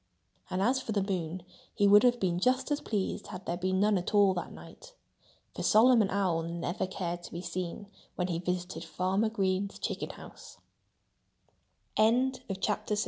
And as for the moon, he would have been just as pleased had there been none at all that night. For Solomon Owl never cared to be seen when he visited Farmer Green